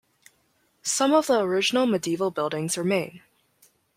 Some of the original medieval buildings remain.